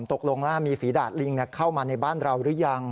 ตกลงแล้วมีฝีดาดลิงเข้ามาในบ้านเราหรือยัง